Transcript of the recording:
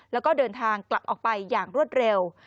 แล้วก็เดินทางกลับออกไปอย่างรวดเร็ว